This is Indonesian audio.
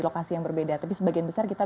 lokasi yang berbeda tapi sebagian besar kita